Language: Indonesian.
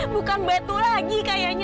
bukan batu lagi kayaknya